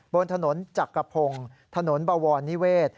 บนถนนจักรพงศ์ถนนบวรนิเวศ